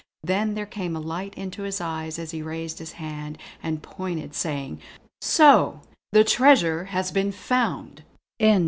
Then there came a light into his eyes as he raised his hand and pointed saying: "So the treasure has been found!"